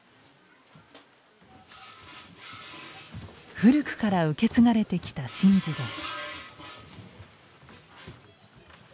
古くから受け継がれてきた神事です。